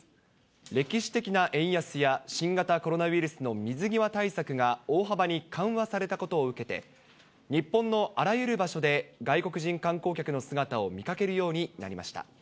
歴史的な円安や新型コロナウイルスの水際対策が大幅に緩和されたことを受けて、日本のあらゆる場所で外国人観光客の姿を見かけるようになりました。